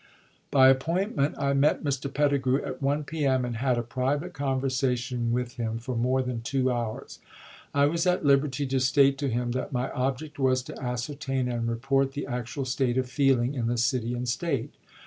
By appointment I met Mr. Petigru at 1 p. m. and had a private conversation with him for more than two hours. I was at liberty to state to him that my object was to ascertain and report the actual state of feeling in the city and State.